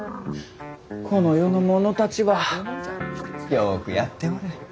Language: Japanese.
この世の者たちはよくやっておる。